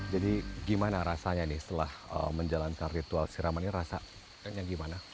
jadi gimana rasanya nih setelah menjalankan ritual siraman ini rasanya gimana